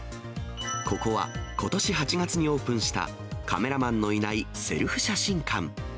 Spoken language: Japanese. ここは、ことし８月にオープンしたカメラマンのいないセルフ写真館。